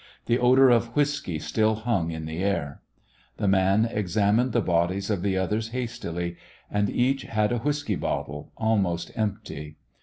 The odor of whisky still hung in the air. The man examined the bodies of the others hastily, and each had a whisky bottle almost empty.